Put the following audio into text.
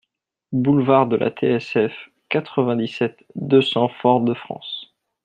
Boulevard de la T.S.F., quatre-vingt-dix-sept, deux cents Fort-de-France